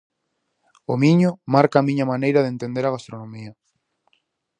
O Miño marca a miña maneira de entender a gastronomía.